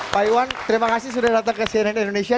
pak iwan terima kasih sudah datang ke cnn indonesia